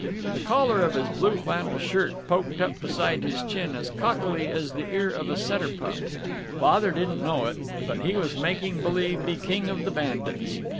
The collar of his blue flannel shirt poked up beside his chin as cockily as the ear of a setter pup.... Father didn't know it, but he was making believe be King of the Bandits.